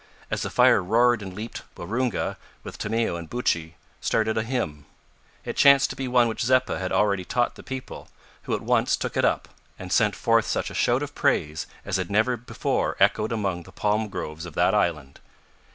As the fire roared and leaped, Waroonga, with Tomeo and Buttchee, started a hymn. It chanced to be one which Zeppa had already taught the people, who at once took it up, and sent forth such a shout of praise as had never before echoed among the palm groves of that island.